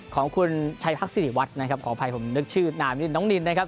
ของคุณชัยพักษิริวัตรนะครับขออภัยผมนึกชื่อนามนินน้องนินนะครับ